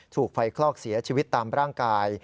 ถูกไฟคลอกเสียชีวิตตามร่างกาย